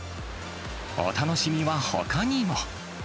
お楽しみはほかにも。